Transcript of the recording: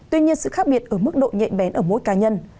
tuy nhiên sự khác biệt ở mức độ nhẹ bén ở mỗi cá nhân